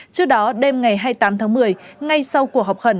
trước đó đêm ngày hai mươi tám tháng một mươi ngay sau cuộc học khóa